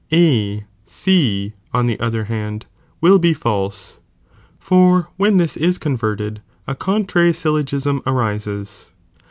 * A C, on the other hand, will be false, chmntd tnim for when this is converted, « contrary syllogism "'S*"'*' arises.